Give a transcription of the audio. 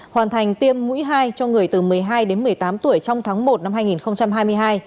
hoàn thành tiêm mũi hai cho người từ một mươi hai đến một mươi tám tuổi trong tháng một năm hai nghìn hai mươi hai